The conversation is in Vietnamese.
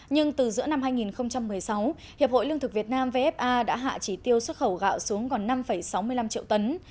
nhưng từ giữa năm hai nghìn một mươi sáu hiệp hội lương thực việt nam vfa đã hạ chỉ tiêu xuất khẩu gạo xuống còn năm sáu mươi năm triệu tấn